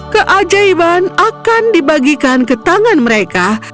keajaiban akan dibagikan ke tangan mereka